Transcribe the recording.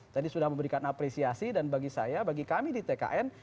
jadi sudah memberikan apresiasi dan bagi saya bagi kami di tkn